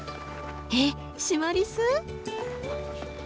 えっシマリス？